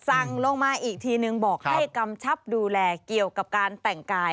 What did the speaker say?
สั่งลงมาอีกทีนึงบอกให้กำชับดูแลเกี่ยวกับการแต่งกาย